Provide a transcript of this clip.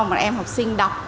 một em học sinh đọc